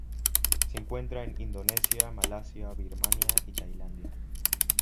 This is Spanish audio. Se encuentra en Indonesia, Malasia, Birmania, y Tailandia.